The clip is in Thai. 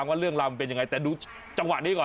ว่าเรื่องราวมันเป็นยังไงแต่ดูจังหวะนี้ก่อน